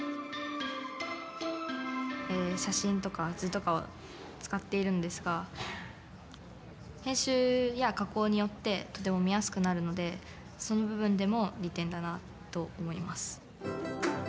写真とか図とかを使っているんですが編集や加工によってとても見やすくなるのでその部分でも利点だなと思います。